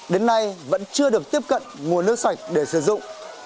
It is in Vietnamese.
đến nay vẫn chưa được tiếp cận nguồn nước sạch để sử dụng